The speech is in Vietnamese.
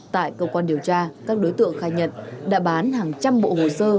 tại cơ quan điều tra các đối tượng khai nhận đã bán hàng trăm bộ hồ sơ